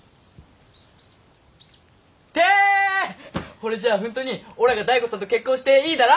ほれじゃあ本当におらが醍醐さんと結婚していいだな？